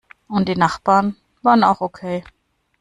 Und die Nachbarn waren auch okay.